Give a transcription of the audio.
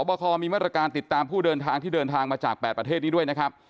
บคมีมาตรการติดตามผู้เดินทางที่เดินทางมาจาก๘ประเทศนี้ด้วยนะครับ